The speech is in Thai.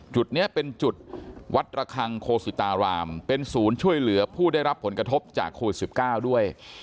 จุดนี้เป็นจุดวัดระคังโคสิตารามเป็นศูนย์ช่วยเหลือผู้ได้รับผลกระทบจากโควิด๑๙ด้วย